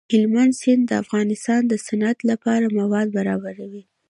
هلمند سیند د افغانستان د صنعت لپاره مواد برابروي.